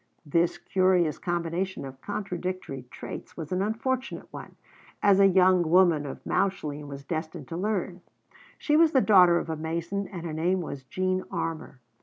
This curious combination of contradictory traits was an unfortunate one, as a young woman of Mauchline was destined to learn. She was the daughter of a mason, and her name was Jean Armour.